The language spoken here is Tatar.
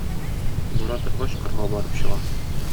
Бара торгач, кырга барып чыга.